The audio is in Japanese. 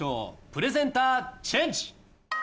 プレゼンターチェンジ！